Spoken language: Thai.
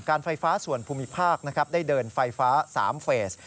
ไฟฟ้าส่วนภูมิภาคได้เดินไฟฟ้า๓เฟส